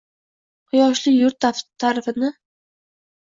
Quyoshli yurt ta’rifini